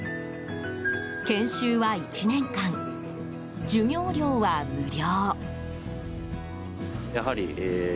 研修は１年間、授業料は無料。